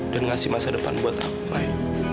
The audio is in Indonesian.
dan ngasih masa depan buat aku mai